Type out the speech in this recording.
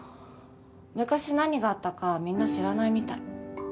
昔何があったかみんな知らないみたい。